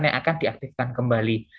yang akan diaktifkan kembali